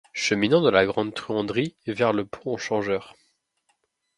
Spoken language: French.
Cheminant de la Grande-Truanderie vers le Pont-aux-Changeurs.